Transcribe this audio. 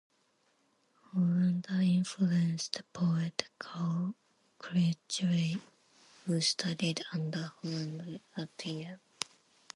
Hollander influenced poet Karl Kirchwey, who studied under Hollander at Yale.